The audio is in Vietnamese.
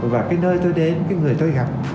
và cái nơi tôi đến cái người tôi gặp